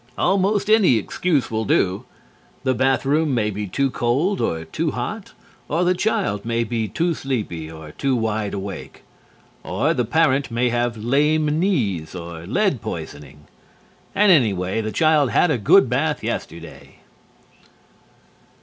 _ Almost any excuse will do. The bath room may be too cold, or too hot, or the child may be too sleepy or too wide awake, or the parent may have lame knees or lead poisoning. And anyway, the child had a good bath yesterday.